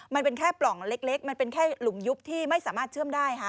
มันเป็นแค่ปล่องเล็กมันเป็นแค่หลุมยุบที่ไม่สามารถเชื่อมได้ค่ะ